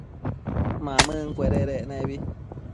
Mamëncuededec nebi